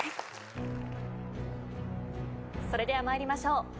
それでは参りましょう。